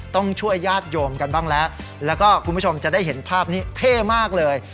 ต้องช่วยญาติโยมกันบ้างแล้วแล้วก็คุณผู้ชมจะได้เห็นภาพนี้เท่มากเลย